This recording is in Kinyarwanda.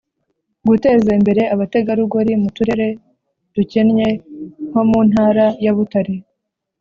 guteza imbere abategarugori mu turere dukennye nko mu ntara ya butare,